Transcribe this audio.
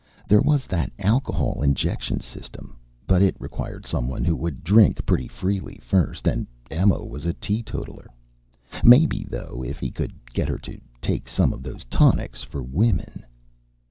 There was that alcohol injection system but it required someone who would drink pretty freely first, and Emma was a teetotaler. Maybe, though, if he could get her to taking some of those tonics for women....